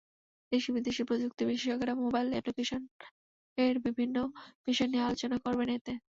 দেশি-বিদেশি প্রযুক্তি বিশেষজ্ঞরা মোবাইল অ্যাপলিকেশনের বিভিন্ন বিষয় নিয়ে আলোচনা করবেন এতে।